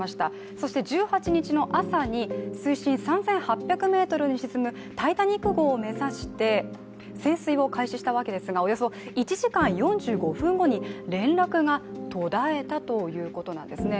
そして１８日の朝に水深３８００ｍに沈むタイタニック号を目指して潜水を開始したわけですがおよそ１時間４５分後に、連絡が途絶えたということなんですね。